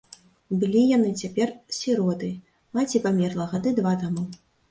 Былі яны цяпер сіроты, маці памерла гады два таму.